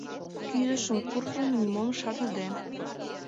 Кӱзышым куржын, нимом шарныде.